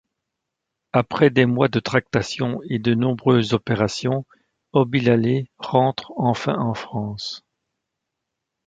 Après des mois de tractations et de nombreuses opérations, Obilalé rentre enfin en France.